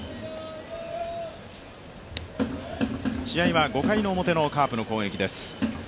試合は５回の表のカープの攻撃です。